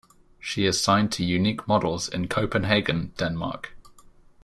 She is signed to Unique Models in Copenhagen, Denmark.